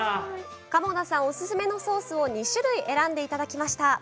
鴨田さんおすすめのソースを２種類選んでいただきました。